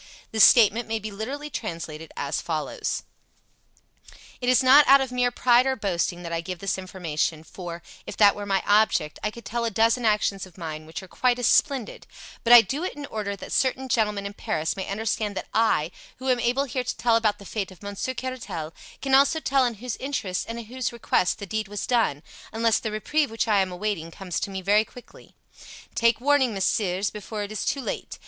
This statement may be literally translated as follows: "It is not out of mere pride or boasting that I give this information, for, if that were my object, I could tell a dozen actions of mine which are quite as splendid; but I do it in order that certain gentlemen in Paris may understand that I, who am able here to tell about the fate of Monsieur Caratal, can also tell in whose interest and at whose request the deed was done, unless the reprieve which I am awaiting comes to me very quickly. Take warning, messieurs, before it is too late!